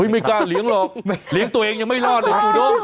เฮ้ยไม่กล้าเลี้ยงหรอกเลี้ยงตัวเองยังไม่รอดเดี๋ยวสู้โด้